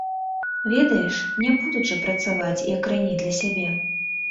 Ведаеш, не будуць жа працаваць, як раней для сябе.